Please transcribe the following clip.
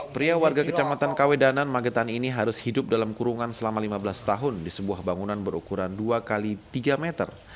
pria warga kecamatan kawedanan magetan ini harus hidup dalam kurungan selama lima belas tahun di sebuah bangunan berukuran dua x tiga meter